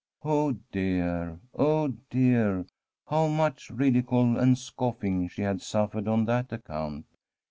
Oh dear — oh dear! how much ridicule and scoiRng she had suffered on that account